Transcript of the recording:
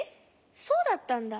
そうだったんだ。